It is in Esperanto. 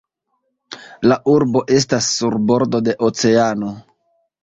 La urbo estas sur bordo de oceano.